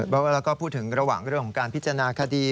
เพราะว่าเราก็พูดถึงระหว่างเรื่องของการพิจารณาคดี